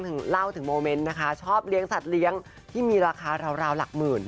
เล่าถึงโมเมนต์นะคะชอบเลี้ยงสัตว์เลี้ยงที่มีราคาราวหลักหมื่น